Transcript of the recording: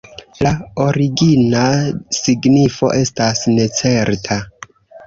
La origina signifo estas necerta.